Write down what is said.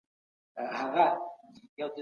تاسو د هغو خلګو ملاتړ وکړئ چي حق يې خوړل سوی دی.